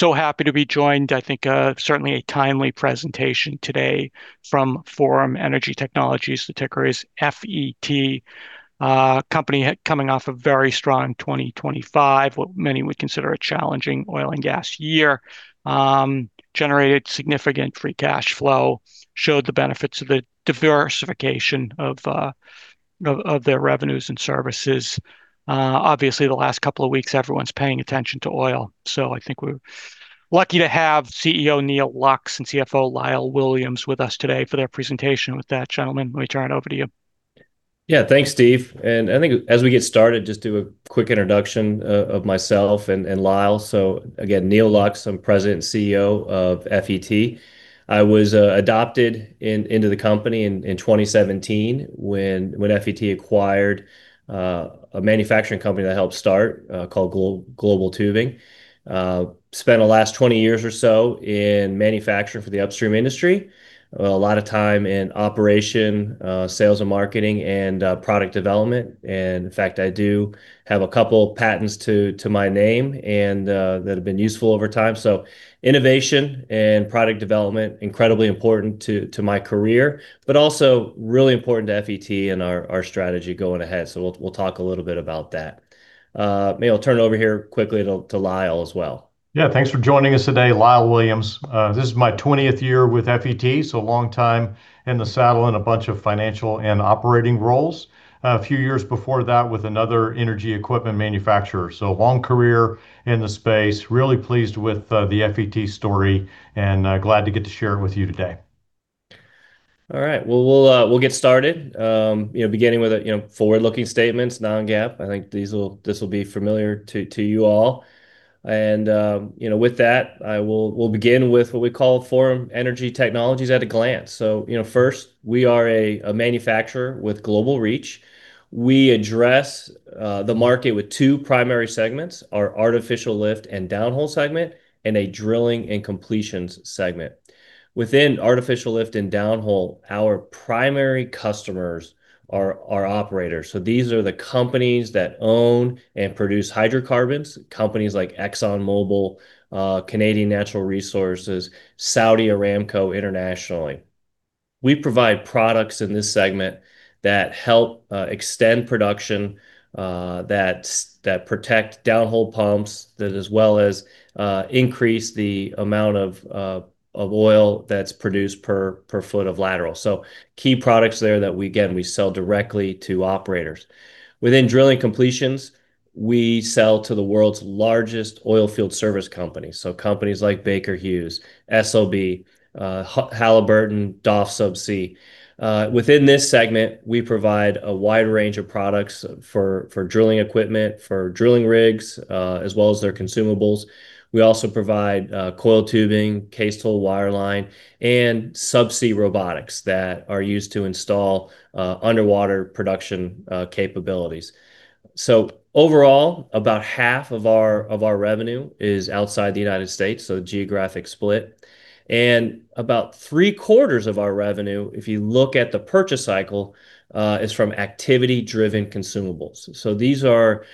Happy to be joined, I think, certainly a timely presentation today from Forum Energy Technologies. The ticker is FET. Company coming off a very strong 2025, what many would consider a challenging oil and gas year. Generated significant free cash flow, showed the benefits of the diversification of their revenues and services. Obviously, the last couple of weeks, everyone's paying attention to oil. I think we're lucky to have CEO Neal Lux and CFO Lyle Williams with us today for their presentation. With that, gentlemen, let me turn it over to you. Yeah. Thanks, Steve. I think as we get started, just do a quick introduction of myself and Lyle. Again, Neal Lux, I'm President and CEO of FET. I was adopted into the company in 2017 when FET acquired a manufacturing company that helped start called Global Tubing. Spent the last 20 years or so in manufacturing for the upstream industry. A lot of time in operations sales and marketing, and product development. In fact, I do have a couple patents to my name, and that have been useful over time. Innovation and product development, incredibly important to my career, but also really important to FET and our strategy going ahead. We'll talk a little bit about that. Maybe I'll turn it over here quickly to Lyle as well. Yeah, thanks for joining us today. Lyle Williams, this is my twentieth year with FET, so a long time in the saddle in a bunch of financial and operating roles. A few years before that with another energy equipment manufacturer. Long career in the space. Really pleased with the FET story and glad to get to share it with you today. All right. Well, we'll get started, you know, beginning with forward-looking statements, non-GAAP. I think this will be familiar to you all. You know, with that, we'll begin with what we call Forum Energy Technologies at a glance. You know, first, we are a manufacturer with global reach. We address the market with two primary segments, our artificial lift and downhole segment, and a drilling and completions segment. Within artificial lift and downhole, our primary customers are our operators. These are the companies that own and produce hydrocarbons, companies like ExxonMobil, Canadian Natural Resources, Saudi Aramco internationally. We provide products in this segment that help extend production, that protect downhole pumps, as well as increase the amount of oil that's produced per foot of lateral. Key products there that we get and we sell directly to operators. Within Drilling Completions, we sell to the world's largest oil field service companies, so companies like Baker Hughes, SLB, Halliburton, DOF Subsea. Within this segment, we provide a wide range of products for drilling equipment, for drilling rigs, as well as their consumables. We also provide coiled tubing, cased hole wireline, and subsea robotics that are used to install underwater production capabilities. Overall, about half of our revenue is outside the United States, geographic split. About three-quarters of our revenue, if you look at the purchase cycle, is from activity-driven consumables. These are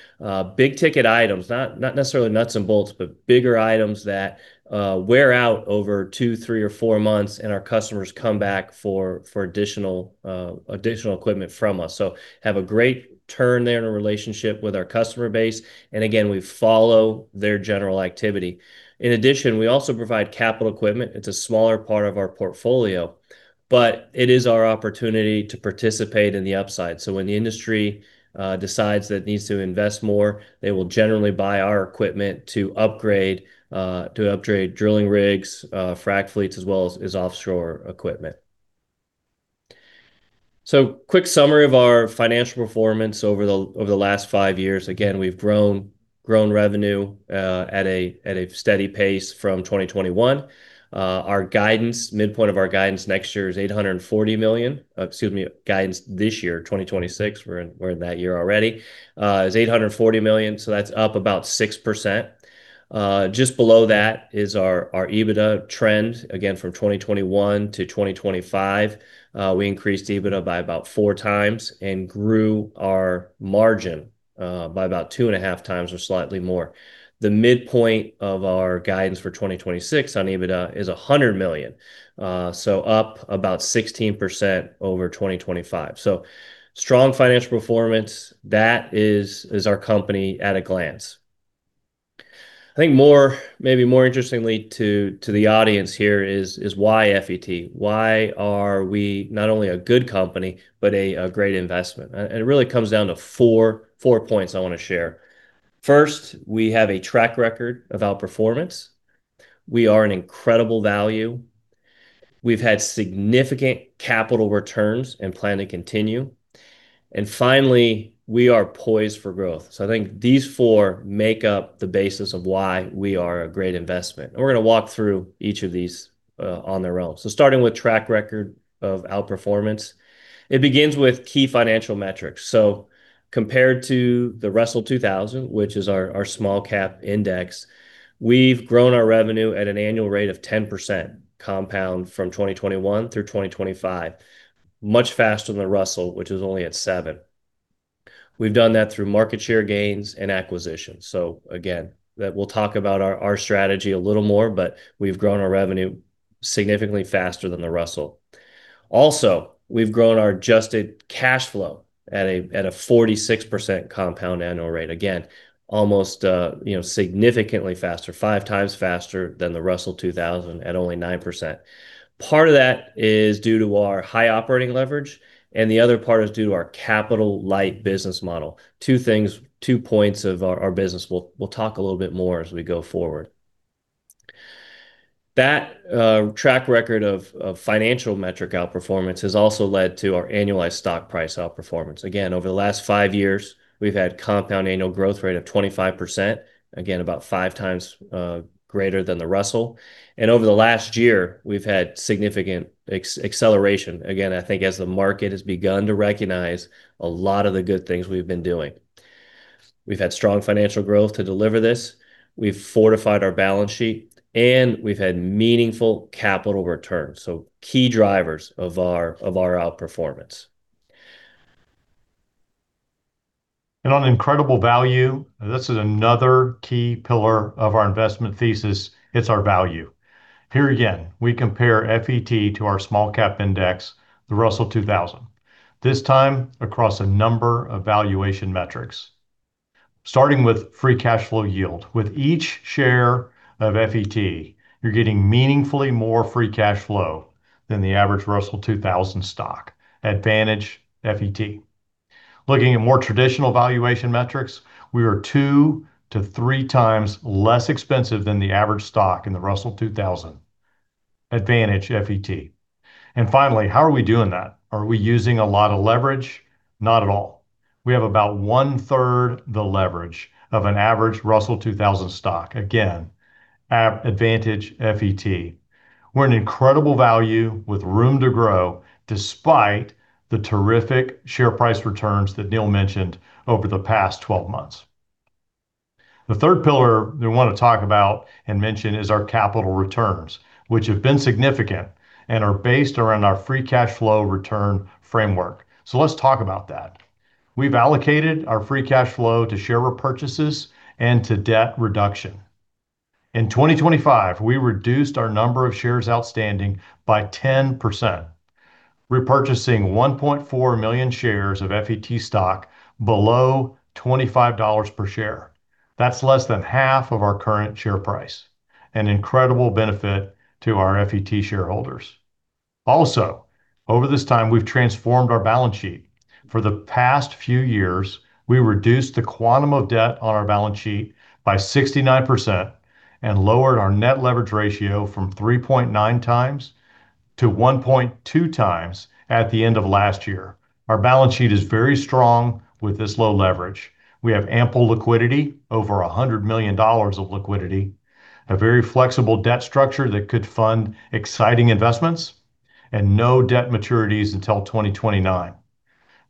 big-ticket items, not necessarily nuts and bolts, but bigger items that wear out over 2, 3, or 4 months, and our customers come back for additional equipment from us. Have a great turn there in a relationship with our customer base. Again, we follow their general activity. In addition, we also provide capital equipment. It's a smaller part of our portfolio, but it is our opportunity to participate in the upside. When the industry decides that it needs to invest more, they will generally buy our equipment to upgrade drilling rigs, frack fleets, as well as offshore equipment. Quick summary of our financial performance over the last 5 years. Again, we've grown revenue at a steady pace from 2021. Our guidance, midpoint of our guidance next year is $840 million. Excuse me, guidance this year, 2026, we're in that year already, is $840 million, so that's up about 6%. Just below that is our EBITDA trend. Again, from 2021 to 2025, we increased EBITDA by about 4x and grew our margin by about 2.5x or slightly more. The midpoint of our guidance for 2026 on EBITDA is $100 million, so up about 16% over 2025. Strong financial performance. That is our company at a glance. I think maybe more interestingly to the audience here is why FET? Why are we not only a good company but a great investment? It really comes down to four points I wanna share. First, we have a track record of outperformance. We are an incredible value. We've had significant capital returns and plan to continue. Finally, we are poised for growth. I think these four make up the basis of why we are a great investment. We're gonna walk through each of these on their own. Starting with track record of outperformance, it begins with key financial metrics. Compared to the Russell 2000, which is our small-cap index, we've grown our revenue at an annual rate of 10% compound from 2021 through 2025. Much faster than Russell, which is only at 7%. We've done that through market share gains and acquisitions. Again, that we'll talk about our strategy a little more, but we've grown our revenue significantly faster than the Russell 2000. Also, we've grown our adjusted cash flow at a 46% compound annual rate. Again, almost, significantly faster, 5x faster than the Russell 2000 at only 9%. Part of that is due to our high operating leverage, and the other part is due to our capital-light business model. 2 things, 2 points of our business. We'll talk a little bit more as we go forward. That track record of financial metric outperformance has also led to our annualized stock price outperformance. Again, over the last 5 years, we've had compound annual growth rate of 25%, again, about 5x greater than the Russell 2000. Over the last year, we've had significant acceleration, again, I think as the market has begun to recognize a lot of the good things we've been doing. We've had strong financial growth to deliver this, we've fortified our balance sheet, and we've had meaningful capital returns. Key drivers of our outperformance. On incredible value, this is another key pillar of our investment thesis. It's our value. Here again, we compare FET to our small cap index, the Russell 2000. This time across a number of valuation metrics. Starting with free cash flow yield. With each share of FET, you're getting meaningfully more free cash flow than the average Russell 2000 stock. Advantage, FET. Looking at more traditional valuation metrics, we are 2x-3x less expensive than the average stock in the Russell 2000. Advantage, FET. Finally, how are we doing that? Are we using a lot of leverage? Not at all. We have about one-third the leverage of an average Russell 2000 stock. Again, advantage FET. We're an incredible value with room to grow despite the terrific share price returns that Neal mentioned over the past 12 months. The third pillar we wanna talk about and mention is our capital returns, which have been significant and are based around our free cash flow return framework. Let's talk about that. We've allocated our free cash flow to share repurchases and to debt reduction. In 2025, we reduced our number of shares outstanding by 10%, repurchasing 1.4 million shares of FET stock below $25 per share. That's less than half of our current share price, an incredible benefit to our FET shareholders. Also, over this time, we've transformed our balance sheet. For the past few years, we reduced the quantum of debt on our balance sheet by 69% and lowered our net leverage ratio from 3.9x to 1.2x at the end of last year. Our balance sheet is very strong with this low leverage. We have ample liquidity, over $100 million of liquidity, a very flexible debt structure that could fund exciting investments, and no debt maturities until 2029.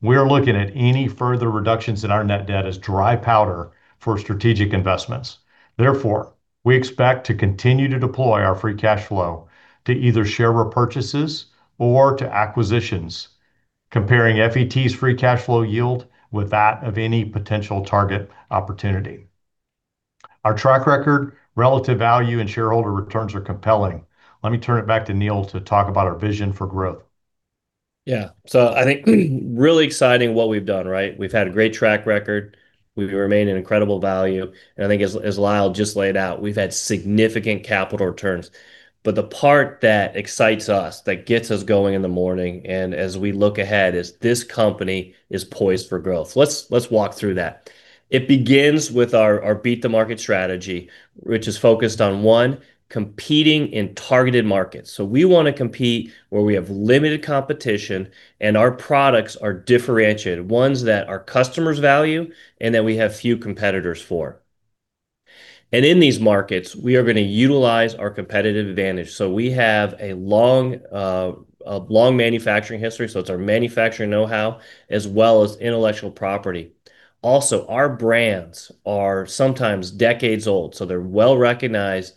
We are looking at any further reductions in our net debt as dry powder for strategic investments. Therefore, we expect to continue to deploy our free cash flow to either share repurchases or to acquisitions, comparing FET's free cash flow yield with that of any potential target opportunity. Our track record, relative value, and shareholder returns are compelling. Let me turn it back to Neal to talk about our vision for growth. Yeah. I think really exciting what we've done, right? We've had a great track record. We remain an incredible value. I think as Lyle just laid out, we've had significant capital returns. The part that excites us, that gets us going in the morning and as we look ahead, is this company is poised for growth. Let's walk through that. It begins with our beat the market strategy, which is focused on, one, competing in targeted markets. We wanna compete where we have limited competition and our products are differentiated, ones that our customers value and that we have few competitors for. In these markets, we are gonna utilize our competitive advantage. We have a long manufacturing history, so it's our manufacturing know-how, as well as intellectual property. Also, our brands are sometimes decades old, so they're well-recognized.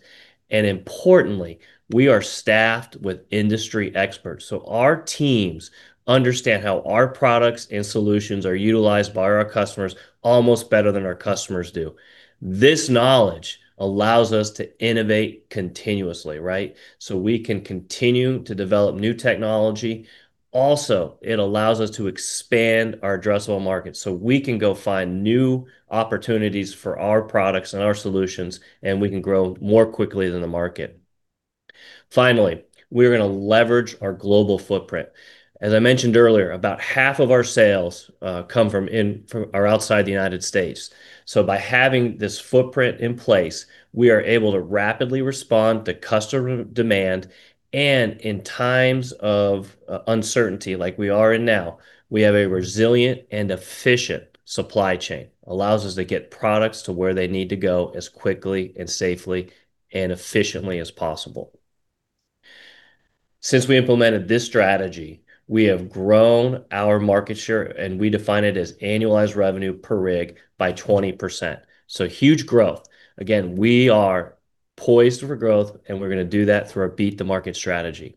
Importantly, we are staffed with industry experts. Our teams understand how our products and solutions are utilized by our customers almost better than our customers do. This knowledge allows us to innovate continuously, right? We can continue to develop new technology. Also, it allows us to expand our addressable market, so we can go find new opportunities for our products and our solutions, and we can grow more quickly than the market. Finally, we're gonna leverage our global footprint. As I mentioned earlier, about half of our sales come from are outside the United States. By having this footprint in place, we are able to rapidly respond to customer demand, and in times of uncertainty like we are in now, we have a resilient and efficient supply chain. Allows us to get products to where they need to go as quickly and safely and efficiently as possible. Since we implemented this strategy, we have grown our market share, and we define it as annualized revenue per rig, by 20%. Huge growth. Again, we are poised for growth, and we're gonna do that through our beat the market strategy.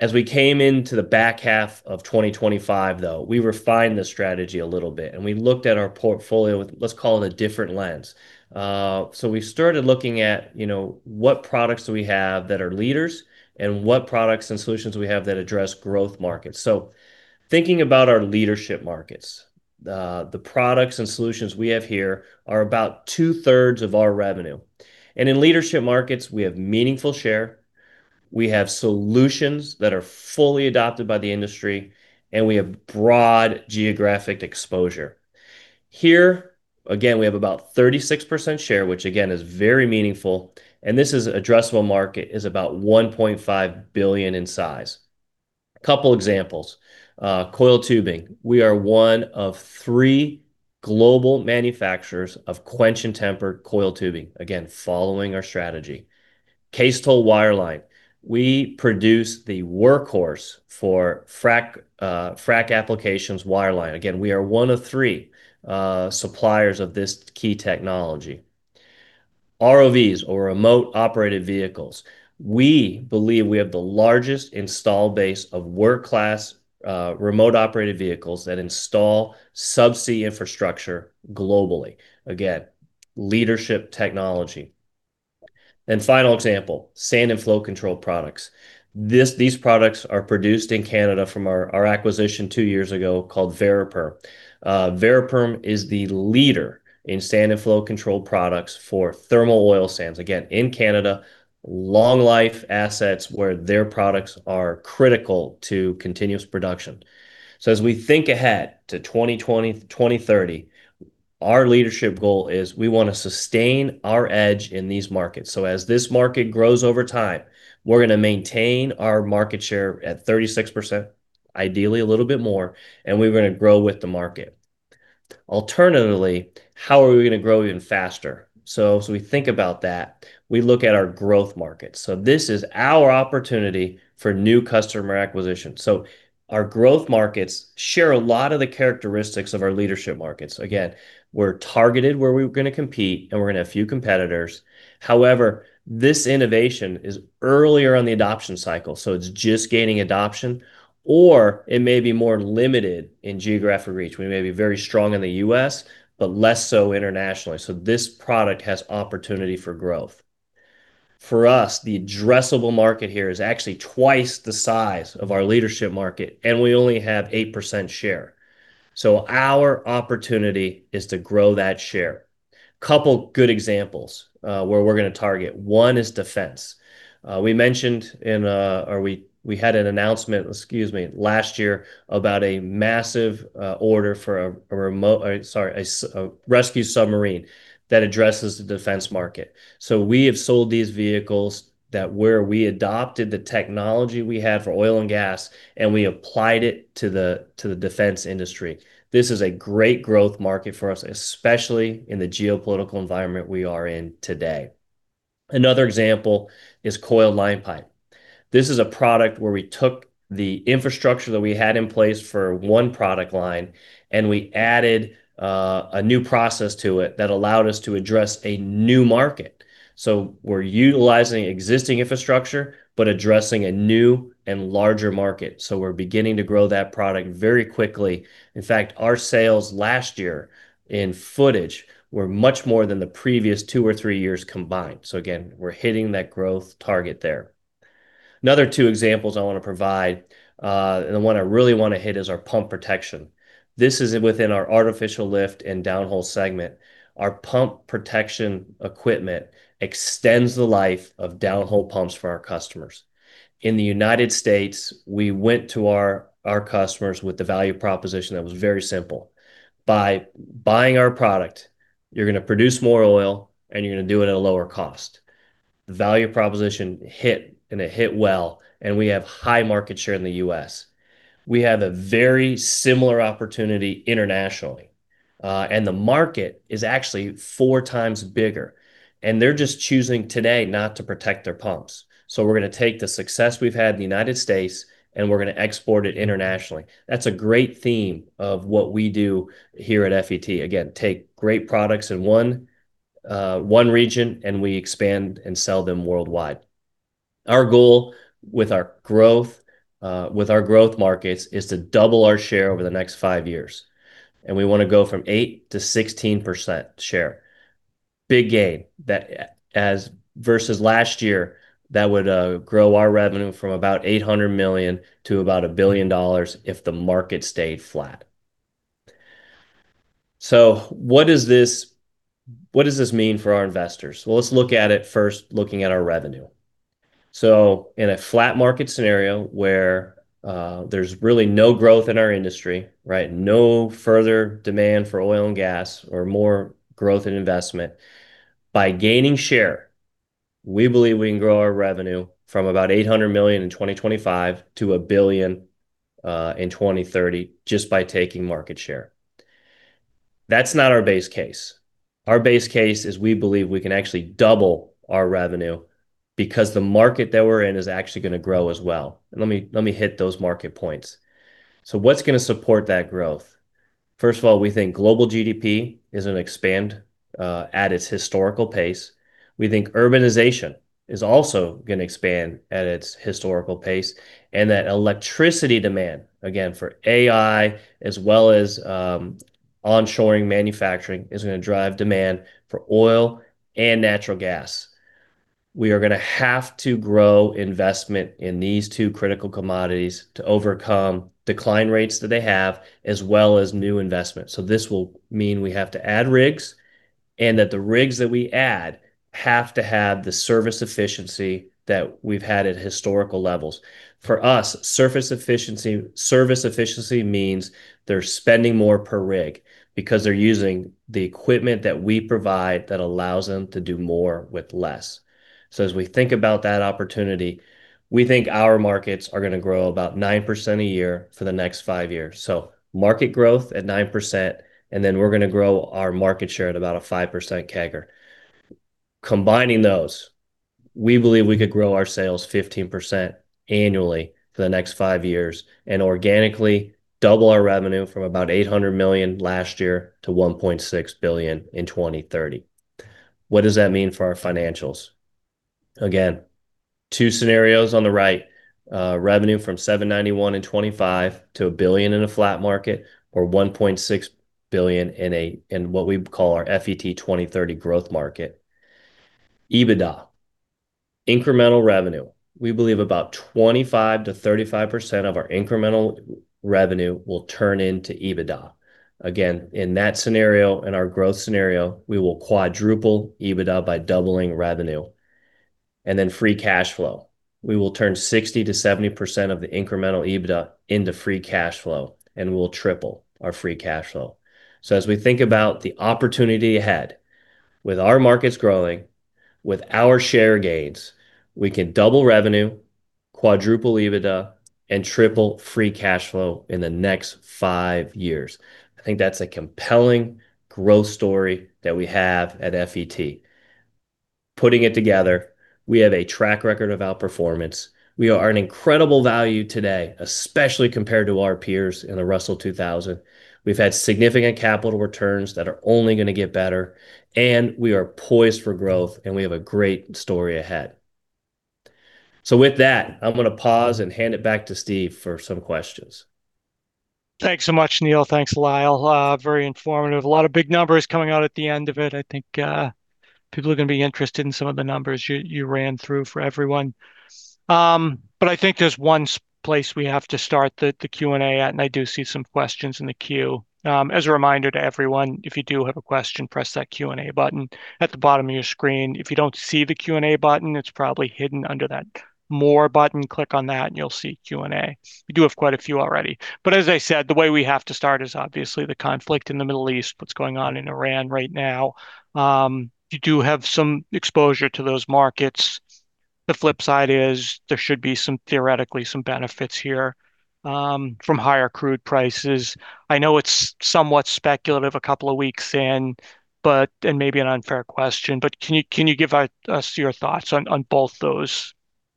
As we came into the back half of 2025, though, we refined the strategy a little bit, and we looked at our portfolio with, let's call it, a different lens. We started looking at, you know, what products do we have that are leaders and what products and solutions we have that address growth markets. Thinking about our leadership markets, the products and solutions we have here are about 2/3 of our revenue. In leadership markets, we have meaningful share, we have solutions that are fully adopted by the industry, and we have broad geographic exposure. Here, again, we have about 36% share, which again is very meaningful, and this addressable market is about $1.5 billion in size. A couple examples. Coiled tubing. We are one of three global manufacturers of quench and temper coiled tubing, again, following our strategy. Cased hole wireline. We produce the workhorse for frac applications wireline. Again, we are one of three suppliers of this key technology. ROVs or remotely operated vehicles. We believe we have the largest installed base of world-class remotely operated vehicles that install subsea infrastructure globally. Again, leadership technology. Final example, sand and flow control products. These products are produced in Canada from our acquisition two years ago called Variperm. Variperm is the leader in sand and flow control products for thermal oil sands. Again, in Canada, long life assets where their products are critical to continuous production. As we think ahead to 2020, 2030, our leadership goal is we want to sustain our edge in these markets. As this market grows over time, we're gonna maintain our market share at 36%, ideally a little bit more, and we're gonna grow with the market. Alternatively, how are we gonna grow even faster? We think about that. We look at our growth market. This is our opportunity for new customer acquisition. Our growth markets share a lot of the characteristics of our leadership markets. Again, we're targeted where we're gonna compete, and we're gonna have few competitors. However, this innovation is earlier on the adoption cycle, so it's just gaining adoption, or it may be more limited in geographic reach. We may be very strong in the US, but less so internationally. This product has opportunity for growth. For us, the addressable market here is actually twice the size of our leadership market, and we only have 8% share. Our opportunity is to grow that share. Couple good examples, where we're gonna target. One is defense. We mentioned in, or we had an announcement, excuse me, last year about a massive order for a rescue submarine that addresses the defense market. We have sold these vehicles that we adopted the technology we have for oil and gas, and we applied it to the defense industry. This is a great growth market for us, especially in the geopolitical environment we are in today. Another example is Coiled Line Pipe. This is a product where we took the infrastructure that we had in place for one product line, and we added a new process to it that allowed us to address a new market. We're utilizing existing infrastructure, but addressing a new and larger market. We're beginning to grow that product very quickly. In fact, our sales last year in footage were much more than the previous two or three years combined. Again, we're hitting that growth target there. Another two examples I wanna provide, and the one I really wanna hit is our pump protection. This is within our Artificial Lift and Downhole segment. Our pump protection equipment extends the life of downhole pumps for our customers. In the United States, we went to our customers with the value proposition that was very simple. By buying our product, you're gonna produce more oil, and you're gonna do it at a lower cost. The value proposition hit, and it hit well, and we have high market share in the U.S. We have a very similar opportunity internationally, and the market is actually four times bigger, and they're just choosing today not to protect their pumps. We're gonna take the success we've had in the United States, and we're gonna export it internationally. That's a great theme of what we do here at FET. Again, take great products in one region, and we expand and sell them worldwide. Our goal with our growth markets is to double our share over the next five years, and we wanna go from 8%-16% share. Big gain. That versus last year that would grow our revenue from about $800 million to about $1 billion if the market stayed flat. What does this mean for our investors? Well, let's look at it first looking at our revenue. In a flat market scenario where there's really no growth in our industry, right? No further demand for oil and gas or more growth and investment, by gaining share, we believe we can grow our revenue from about $800 million in 2025 to $1 billion in 2030 just by taking market share. That's not our base case. Our base case is we believe we can actually double our revenue because the market that we're in is actually gonna grow as well. Let me hit those market points. What's gonna support that growth? First of all, we think global GDP is gonna expand at its historical pace. We think urbanization is also gonna expand at its historical pace, and that electricity demand, again, for AI as well as onshoring manufacturing, is gonna drive demand for oil and natural gas. We are gonna have to grow investment in these two critical commodities to overcome decline rates that they have as well as new investments. This will mean we have to add rigs and that the rigs that we add have to have the service efficiency that we've had at historical levels. For us, surface efficiency, service efficiency means they're spending more per rig because they're using the equipment that we provide that allows them to do more with less. As we think about that opportunity, we think our markets are gonna grow about 9% a year for the next five years. Market growth at 9%, and then we're gonna grow our market share at about a 5% CAGR. Combining those, we believe we could grow our sales 15% annually for the next five years and organically double our revenue from about $800 million last year to $1.6 billion in 2030. What does that mean for our financials? Again, two scenarios on the right. Revenue from $791 million in 2025 to $1 billion in a flat market or $1.6 billion in what we call our FET 2030 growth market. EBITDA. Incremental revenue. We believe about 25%-35% of our incremental revenue will turn into EBITDA. Again, in that scenario, in our growth scenario, we will quadruple EBITDA by doubling revenue. Free cash flow. We will turn 60%-70% of the incremental EBITDA into free cash flow, and we'll triple our free cash flow. As we think about the opportunity ahead, with our markets growing, with our share gains, we can double revenue, quadruple EBITDA, and triple free cash flow in the next five years. I think that's a compelling growth story that we have at FET. Putting it together, we have a track record of outperformance. We are an incredible value today, especially compared to our peers in the Russell 2000. We've had significant capital returns that are only gonna get better, and we are poised for growth, and we have a great story ahead. With that, I'm gonna pause and hand it back to Steve for some questions. Thanks so much, Neal. Thanks, Lyle. Very informative. A lot of big numbers coming out at the end of it. I think people are gonna be interested in some of the numbers you ran through for everyone. I think there's one place we have to start the Q&A at, and I do see some questions in the queue. As a reminder to everyone, if you do have a question, press that Q&A button at the bottom of your screen. If you don't see the Q&A button, it's probably hidden under that More button. Click on that and you'll see Q&A. We do have quite a few already. As I said, the way we have to start is obviously the conflict in the Middle East, what's going on in Iran right now. You do have some exposure to those markets. The flip side is there should be some, theoretically, some benefits here from higher crude prices. I know it's somewhat speculative a couple of weeks in, but and maybe an unfair question, but can you give us your thoughts on both those.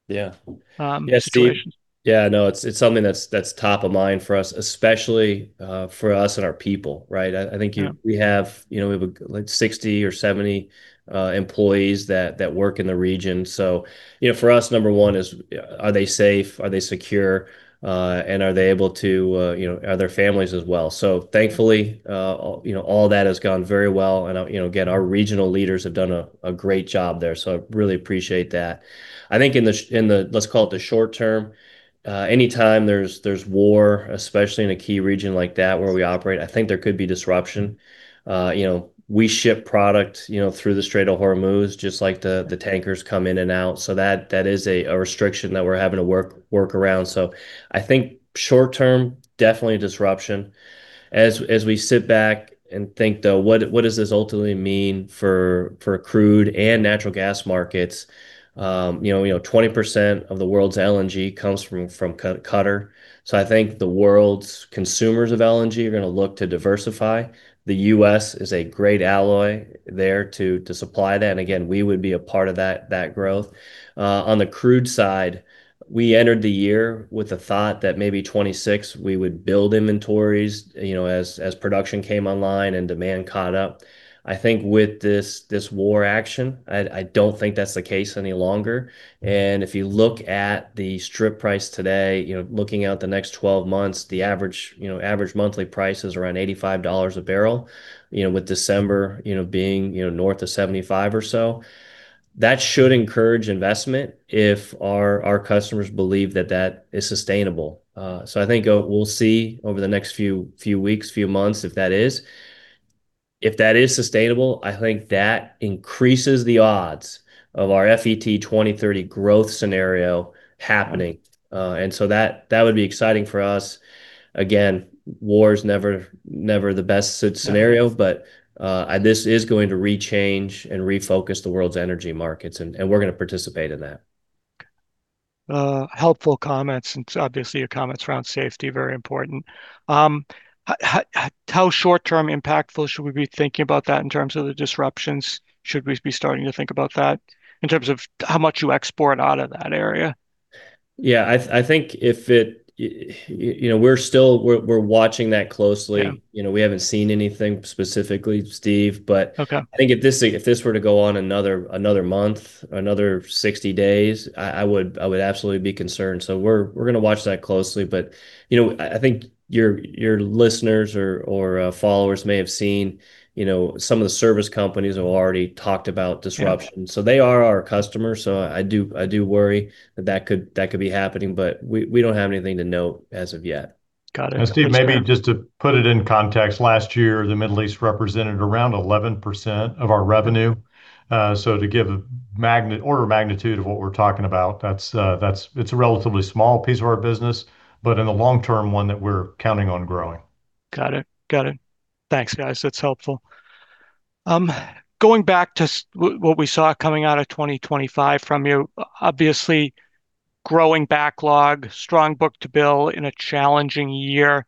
Yeah Situations? Yeah, no, it's something that's top of mind for us, especially for us and our people, right? I think. Yeah We have, you know, we have a, like, 60 or 70 employees that work in the region. You know, for us, number one is, are they safe? Are they secure? And are they able to, you know, are their families as well? Thankfully, you know, all that has gone very well. You know, again, our regional leaders have done a great job there, so really appreciate that. I think in the, let's call it the short term, anytime there's war, especially in a key region like that where we operate, I think there could be disruption. You know, we ship product, you know, through the Strait of Hormuz, just like the tankers come in and out, so that is a restriction that we're having to work around. I think short term, definitely disruption. As we sit back and think, though, what does this ultimately mean for crude and natural gas markets? 20% of the world's LNG comes from Qatar. I think the world's consumers of LNG are gonna look to diversify. The US is a great ally there to supply that, and again, we would be a part of that growth. On the crude side, we entered the year with the thought that maybe 2026 we would build inventories, you know, as production came online and demand caught up. I think with this war action, I don't think that's the case any longer. If you look at the strip price today, you know, looking out the next 12 months, the average monthly price is around $85 a barrel. You know, with December, you know, being north of $75 or so. That should encourage investment if our customers believe that is sustainable. I think we'll see over the next few weeks, few months if that is. If that is sustainable, I think that increases the odds of our FET 2030 growth scenario happening. That would be exciting for us. Again, war is never the best scenario. Yeah. This is going to rechange and refocus the world's energy markets, and we're gonna participate in that. Helpful comments, obviously your comments around safety, very important. How short-term impactful should we be thinking about that in terms of the disruptions? Should we be starting to think about that in terms of how much you export out of that area? Yeah, I think if it, you know, we're watching that closely. Yeah. You know, we haven't seen anything specifically, Steve, but. Okay I think if this were to go on another month, another 60 days, I would absolutely be concerned. We're gonna watch that closely. You know, I think your listeners or followers may have seen, you know, some of the service companies have already talked about disruption. Yeah. They are our customers, so I do worry that could be happening. We don't have anything to note as of yet. Got it. Thanks for that. Steve, maybe just to put it in context, last year the Middle East represented around 11% of our revenue. So to give an order of magnitude of what we're talking about, that's a relatively small piece of our business, but in the long term, one that we're counting on growing. Got it. Thanks, guys. That's helpful. Going back to what we saw coming out of 2025 from you, obviously growing backlog, strong book-to-bill in a challenging year.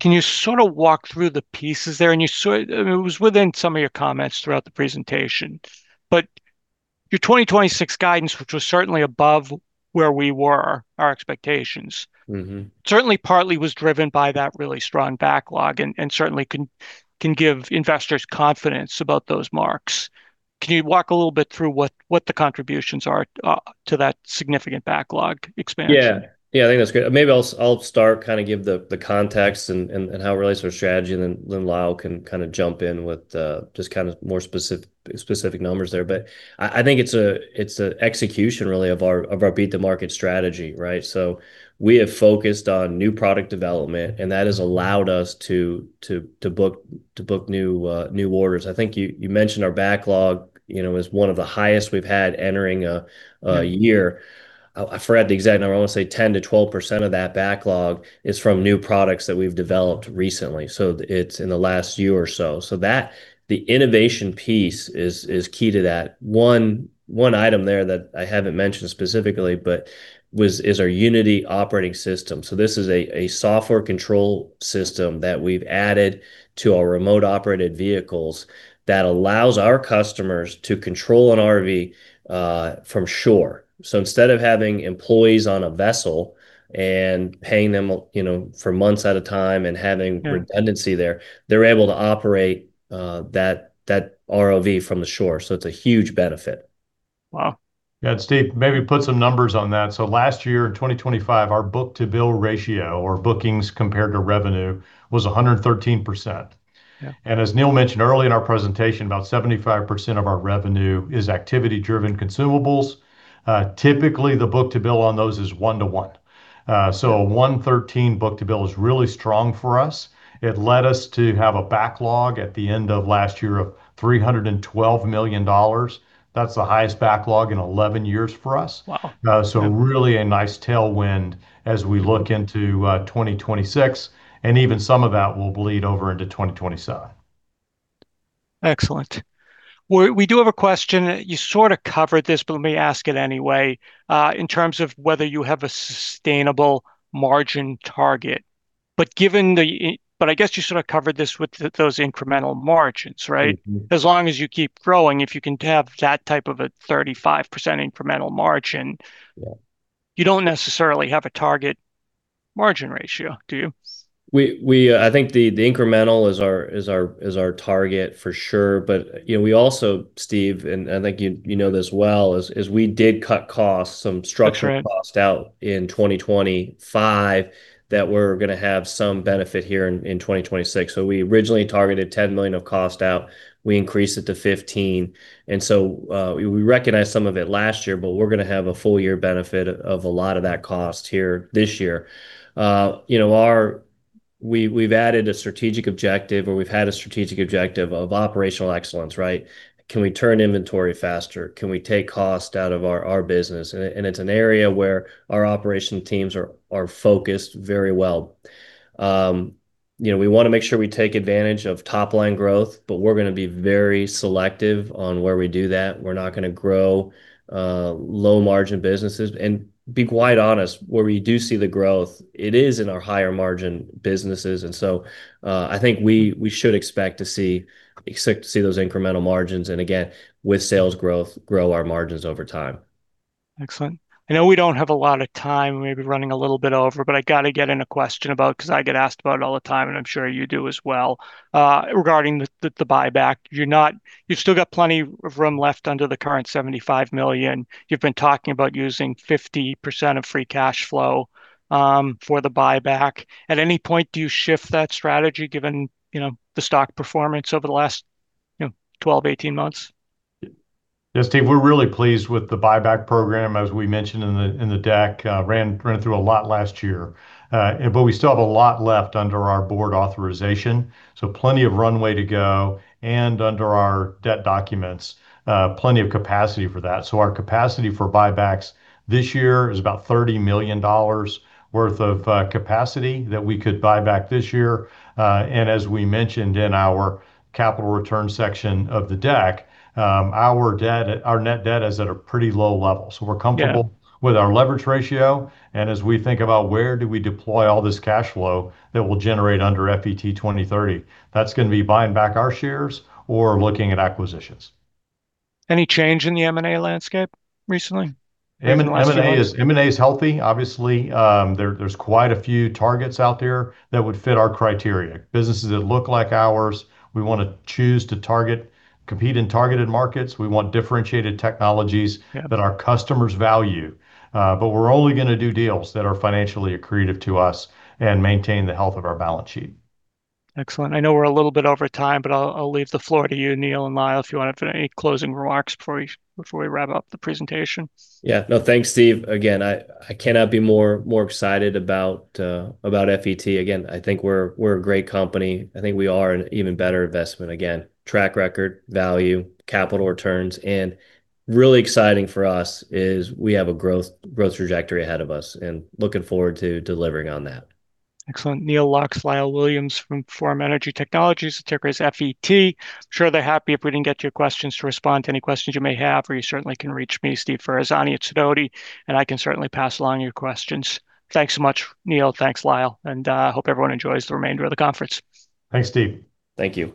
Can you sort of walk through the pieces there? It was within some of your comments throughout the presentation. Your 2026 guidance, which was certainly above where we were, our expectations. Mm-hmm Certainly partly was driven by that really strong backlog and certainly can give investors confidence about those marks. Can you walk a little bit through what the contributions are to that significant backlog expansion? Yeah. Yeah, I think that's great. Maybe I'll start, kind of give the context and how it relates to our strategy, and then Lyle can kind of jump in with just kind of more specific numbers there. I think it's a execution really of our beat the market strategy, right? We have focused on new product development, and that has allowed us to book new orders. I think you mentioned our backlog, you know, is one of the highest we've had entering a year. I forgot the exact number. I wanna say 10%-12% of that backlog is from new products that we've developed recently, so it's in the last year or so. The innovation piece is key to that. One item there that I haven't mentioned specifically, but is our Unity operating system. This is a software control system that we've added to our remotely operated vehicles that allows our customers to control an ROV from shore. Instead of having employees on a vessel and paying them, you know, for months at a time and having. Yeah. Redundancy there, they're able to operate that ROV from the shore. It's a huge benefit. Wow. Yeah, Steve, maybe put some numbers on that. Last year in 2025, our book-to-bill ratio or bookings compared to revenue was 113%. Yeah. As Neal mentioned early in our presentation, about 75% of our revenue is activity driven consumables. Typically the book-to-bill on those is 1-to-1. A 1.13 book-to-bill is really strong for us. It led us to have a backlog at the end of last year of $312 million. That's the highest backlog in 11 years for us. Wow. Really a nice tailwind as we look into 2026, and even some of that will bleed over into 2027. Excellent. We do have a question, you sort of covered this, but let me ask it anyway, in terms of whether you have a sustainable margin target. I guess you sort of covered this with those incremental margins, right? Mm-hmm. As long as you keep growing, if you can have that type of a 35% incremental margin. You don't necessarily have a target margin ratio, do you? I think the incremental is our target for sure. But you know, we also, Steve, and I think you know this well, is we did cut costs, some structural- That's right. costs out in 2025 that we're gonna have some benefit here in 2026. We originally targeted $10 million of cost out. We increased it to $15 million. We recognized some of it last year, but we're gonna have a full year benefit of a lot of that cost here this year. We've added a strategic objective, or we've had a strategic objective of operational excellence, right? Can we turn inventory faster? Can we take cost out of our business? It's an area where our operations teams are focused very well. We wanna make sure we take advantage of top line growth, but we're gonna be very selective on where we do that. We're not gonna grow low margin businesses. To be quite honest, where we do see the growth, it is in our higher margin businesses. I think we should expect to see those incremental margins and again, with sales growth, grow our margins over time. Excellent. I know we don't have a lot of time. We may be running a little bit over, but I gotta get in a question about, 'cause I get asked about it all the time, and I'm sure you do as well, regarding the buyback. You've still got plenty of room left under the current $75 million. You've been talking about using 50% of free cash flow for the buyback. At any point, do you shift that strategy given, you know, the stock performance over the last, you know, 12 to 18 months? Yeah, Steve, we're really pleased with the buyback program, as we mentioned in the deck. Ran through a lot last year. We still have a lot left under our board authorization, so plenty of runway to go. Under our debt documents, plenty of capacity for that. Our capacity for buybacks this year is about $30 million worth of capacity that we could buy back this year. As we mentioned in our capital return section of the deck, our debt, our net debt is at a pretty low level. Yeah. We're comfortable with our leverage ratio. As we think about where do we deploy all this cash flow that we'll generate under FET 2030, that's gonna be buying back our shares or looking at acquisitions. Any change in the M&A landscape recently? M&A is healthy. Obviously, there's quite a few targets out there that would fit our criteria, businesses that look like ours. We wanna choose to target, compete in targeted markets. We want differentiated technologies. Yeah that our customers value. We're only gonna do deals that are financially accretive to us and maintain the health of our balance sheet. Excellent. I know we're a little bit over time, but I'll leave the floor to you, Neal and Lyle, if you wanted to make any closing remarks before we wrap up the presentation. Yeah. No. Thanks, Steve. Again, I cannot be more excited about FET. Again, I think we're a great company. I think we are an even better investment. Again, track record, value, capital returns, and really exciting for us is we have a growth trajectory ahead of us, and looking forward to delivering on that. Excellent. Neal Lux, Lyle Williams from Forum Energy Technologies, the ticker is FET. I'm sure they're happy if we didn't get to your questions to respond to any questions you may have, or you certainly can reach me, Steve Ferazani at Sidoti, and I can certainly pass along your questions. Thanks so much, Neal. Thanks, Lyle, and hope everyone enjoys the remainder of the conference. Thanks, Steve. Thank you.